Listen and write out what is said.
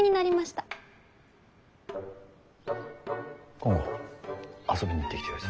金剛遊びに行ってきてよいぞ。